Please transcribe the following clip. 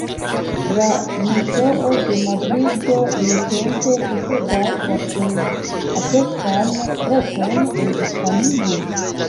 La Metroo de Madrido nuntempe posedas la plej ampleksan reton en Hispanio.